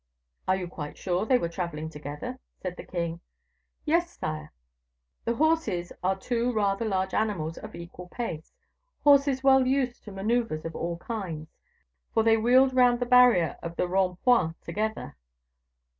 "Are you quite sure they were traveling together?" said the king. "Yes sire. The horses are two rather large animals of equal pace, horses well used to maneuvers of all kinds, for they wheeled round the barrier of the Rond point together."